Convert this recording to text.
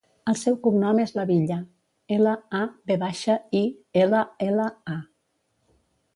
El seu cognom és Lavilla: ela, a, ve baixa, i, ela, ela, a.